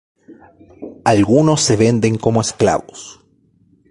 Algunos se venden como esclavos.